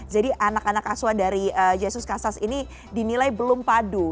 jadi anak anak aswa dari jesus casas ini dinilai belum padu